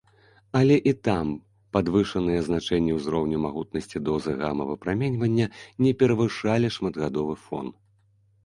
Але і там падвышаныя значэнні ўзроўню магутнасці дозы гама-выпраменьвання не перавышалі шматгадовы фон.